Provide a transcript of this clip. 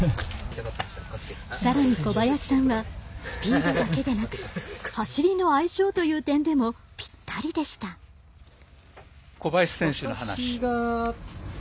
さらに小林さんはスピードだけでなく走りの相性という点でもぴったりでした。